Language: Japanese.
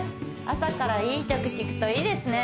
朝からいい曲聴くといいですね